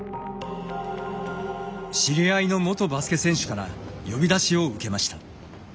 知り合いの元バスケ選手から呼び出しを受けました。